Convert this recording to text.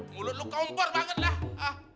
mulut lo kompor banget lah